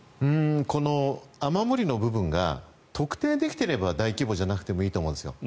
雨漏りの部分が特定できていれば大規模じゃなくてもいいと思うんですよ。